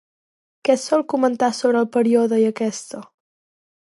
Què es sol comentar sobre el període i aquesta?